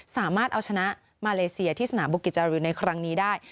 สามารถเอาชนะมาเลเซียที่สนามบุกิจจาริวในครั้งนี้ได้